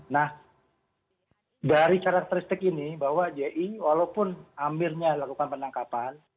nah dari karakteristik ini bahwa ji walaupun amirnya lakukan penangkapan